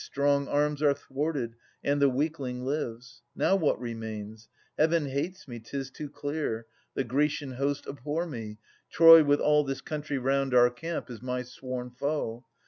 Strong arms are thwarted, and the weakling lives. Now, what remains ? Heaven hates me, 'tis too clear ■ The Grecian host abhor me : Troy, with all This country round our camp, is my sworn foe.